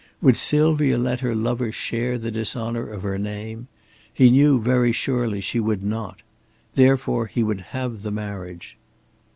Would Sylvia let her lover share the dishonor of her name? He knew very surely she would not. Therefore he would have the marriage.